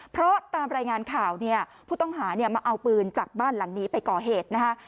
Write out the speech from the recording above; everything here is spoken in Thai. เพราะตามรายงานข่าวเนี่ยผู้ต้องหาเนี่ยมาเอาปืนจากบ้านหลังนี้ไปก่อเหตุนะคะ